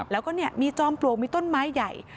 แล้วก็มีจอมปลวกมีต้นไม้ใหญ่